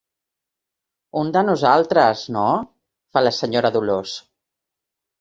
Un de nosaltres, no? —fa la senyora Dolors—.